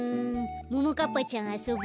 ももかっぱちゃんあそぼ。